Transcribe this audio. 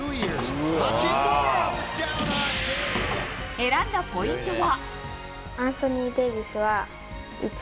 選んだポイントは？